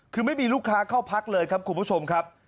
คือไม่มีลูกค้าเข้าพักเลยครับคุณผู้ชมครับ